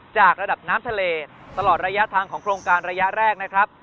จากระดับน้ำทะเลตลอดระยะทางของโครงการระยะแรกนะครับ